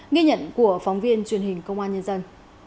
ghi nhận của phóng viên truyền hình công an nhân dân